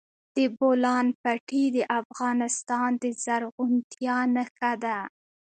د بولان پټي د افغانستان د زرغونتیا نښه ده.